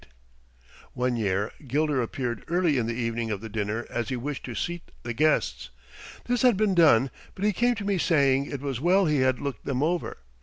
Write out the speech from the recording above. ] One year Gilder appeared early in the evening of the dinner as he wished to seat the guests. This had been done, but he came to me saying it was well he had looked them over.